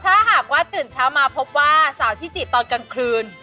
ถ้าหากว่าตื่นเช้ามาพบว่าสาวที่จีบตอนกลางคืน